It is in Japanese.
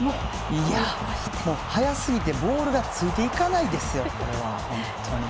速すぎてボールがついていかないですよ。